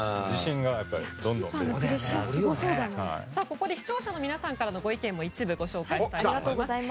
ここで視聴者の皆さんからのご意見も一部ご紹介します。